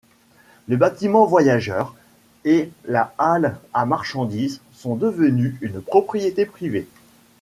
Le bâtiment voyageurs et la hall à marchandises sont devenus une propriété privée.